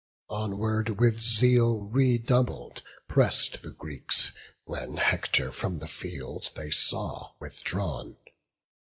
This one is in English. Onward, with zeal redoubled, press'd the Greeks, When Hector from the field they saw withdrawn.